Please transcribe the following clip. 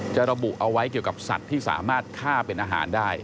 ระบุเอาไว้เกี่ยวกับสัตว์ที่สามารถฆ่าเป็นอาหารได้